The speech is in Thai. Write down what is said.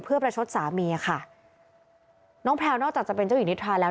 เพื่อประชดสามีค่ะน้องแพลวนอกจากจะเป็นเจ้าหญิงนิทราแล้ว